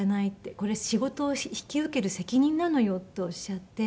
「これ仕事を引き受ける責任なのよ」っておっしゃって。